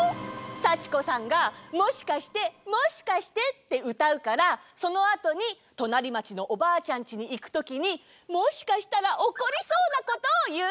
幸子さんが「もしかしてもしかして」ってうたうからそのあとにとなりまちのおばあちゃんちにいくときにもしかしたらおこりそうなことをいうんだ。